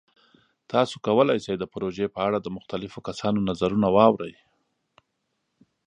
تاسو کولی شئ د پروژې په اړه د مختلفو کسانو نظرونه واورئ.